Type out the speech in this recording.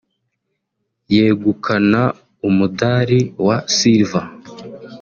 yegukana umudali wa Silver